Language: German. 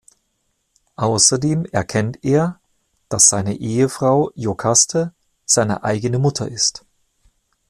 Außerdem erkennt er, dass seine Ehefrau Iokaste seine eigene Mutter ist.